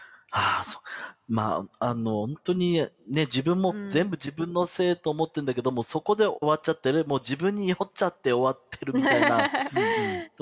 本当にね自分も全部自分のせいと思ってんだけどもそこで終わっちゃってる自分に酔っちゃって終わってるみたいなところがあって。